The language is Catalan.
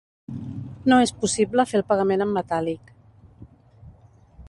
No és possible fer el pagament en metàl·lic.